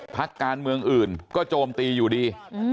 พักการเมืองอื่นก็โจมตีอยู่ดี